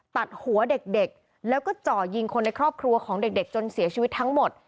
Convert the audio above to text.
ตัดหัวเด็กแล้วก็จ่อยิงคนในครอบครัวของเด็กจนเสียชีวิตทั้งหมด